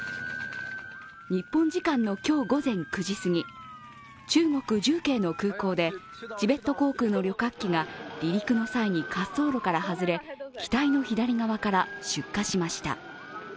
日本時間の今日午前９時すぎ、中国・重慶の空港でチベット航空の旅客機が離陸の際に、滑走路から外れ機体の左側から出火しました。